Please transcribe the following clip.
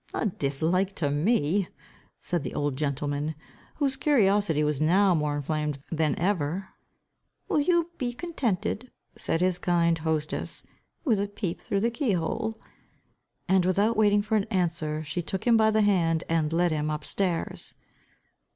"A dislike to me!" said the old gentleman, whose curiosity was now more inflamed than even "Will you be contented," said his kind hostess, "with a peep through the key hole!" and without waiting for an answer, she took him by the hand, and led him up stairs.